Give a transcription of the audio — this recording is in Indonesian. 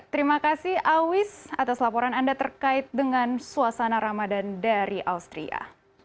terima kasih awis atas laporan anda terkait dengan suasana ramadan dari austria